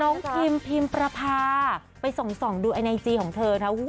น้องพิมพิมพรภาไปส่งดูไอนไอจีของเธอนะ